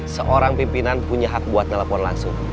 seorang pimpinan punya hak buat telepon langsung